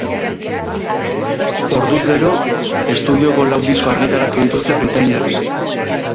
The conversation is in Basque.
Orduz gero, estudioko lau disko argitaratu dituzte britainiarrek.